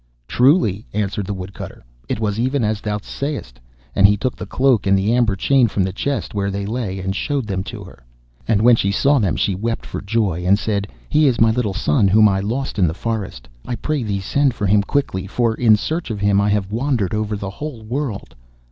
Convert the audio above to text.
'Truly,' answered the Woodcutter, 'it was even as thou sayest.' And he took the cloak and the amber chain from the chest where they lay, and showed them to her. And when she saw them she wept for joy, and said, 'He is my little son whom I lost in the forest. I pray thee send for him quickly, for in search of him have I wandered over the whole world.